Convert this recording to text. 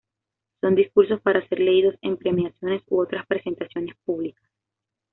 Son discursos para ser leídos en premiaciones u otras presentaciones públicas.